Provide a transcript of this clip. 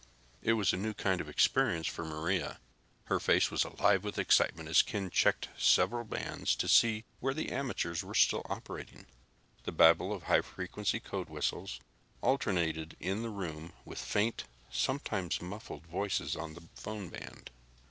It was a new kind of experience for Maria. Her face was alive with excitement as Ken checked several bands to see where amateurs were still operating. The babble of high frequency code whistles alternated in the room with faint, sometimes muffled voices on the phone band.